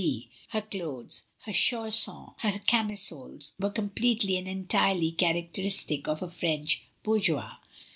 B.; her clothes, her chaussonsy and camisoles were completely and entirely characteristic of a French bourgeoise.